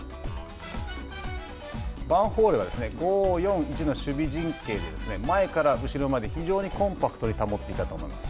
ヴァンフォーレは５−４−１の守備陣形で前から後ろまで非常にコンパクトに保っていたと思うんです。